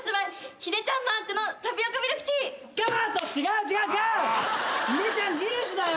「ヒデちゃん印」だよ。